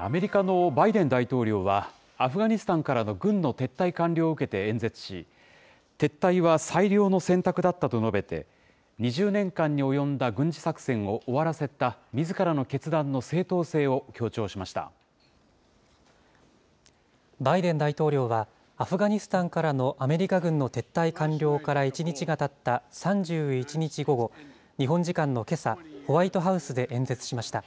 アメリカのバイデン大統領は、アフガニスタンからの軍の撤退完了を受けて演説し、撤退は最良の選択だったと述べて、２０年間に及んだ軍事作戦を終わらせたみずからの決断の正当性をバイデン大統領は、アフガニスタンからのアメリカ軍の撤退完了から１日がたった３１日午後、日本時間のけさ、ホワイトハウスで演説しました。